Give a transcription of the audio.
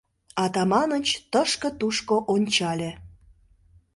Атаманыч тышке-тушко ончале.